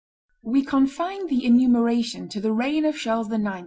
We confine the enumeration to the reign of Charles IX.